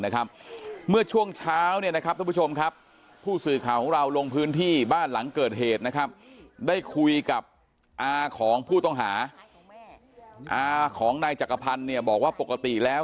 คุยกับอาของผู้ต้องหาอาของในจักรพันธุ์เนี่ยบอกว่าปกติแล้ว